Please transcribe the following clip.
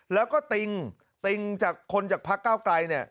แล้วก็ติงติงจากคนจากพักเก้าไกลเนี่ย